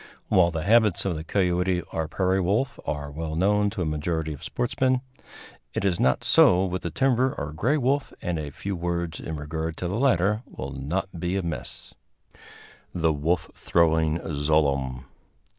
While the habits of the coyote or prairie wolf are well known to a majority of sportsmen, it is not so with the timber or gray wolf, and a few words in regard to the latter will not be amiss. [Illustration: THE WOLF THROWING ZLOOEM.